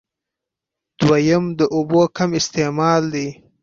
دويم د اوبو کم استعمال دی